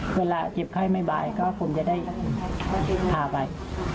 เวลาเจ็บไข้ไม่บ่ายก็คงจะได้พาไป